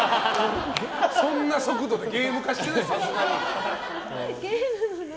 そんな速度でゲーム化してないさすがに。